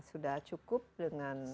sudah cukup dengan